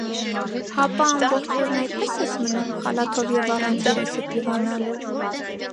Հապա ամբողջ օրն այդպե՞ս ես մնում,- խալաթով և առանց երեսդ լվանալու: